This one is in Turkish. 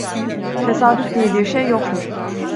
Tesadüf diye bir şey yoktur.